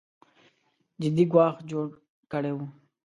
جدي ګواښ جوړ کړی و